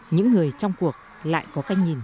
những người trong cuộc lại có cách nhìn